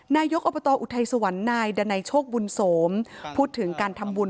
นายกุศอัพพธัติสวรรค์นายดันไอนิโชคบูห์นโสมพูดถึงการทำบุญ